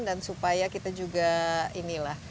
dan supaya kita juga inilah